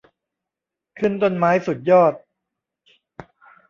ขึ้นต้นไม้สุดยอด